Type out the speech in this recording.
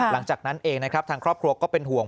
หลังจากนั้นเองนะครับทางครอบครัวก็เป็นห่วง